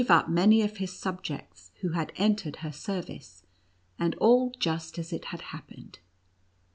up many of his subjects, who had entered her service, and all just as it had happened.